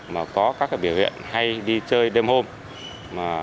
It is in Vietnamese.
mà có các biểu hiện hay đi chơi đêm hôm